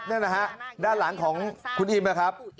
นั่นนะฮะด้านหลังของคุณอิมนะครับ